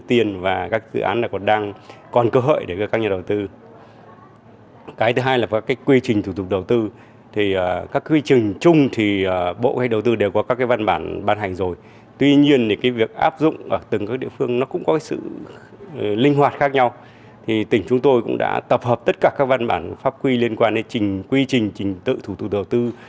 thì tỉnh chúng tôi cũng đã tập hợp tất cả các văn bản pháp quy liên quan đến quy trình trình tự thủ tục đầu tư